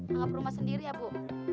menganggap rumah sendiri ya bu